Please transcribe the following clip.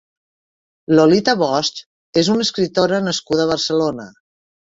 Lolita Bosch és una escriptora nascuda a Barcelona.